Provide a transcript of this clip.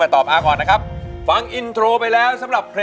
ตกลงว่า